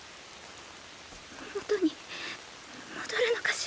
元に戻るのかしら。